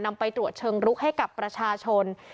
ไปตรวจเชิงลุกให้กับประชาชน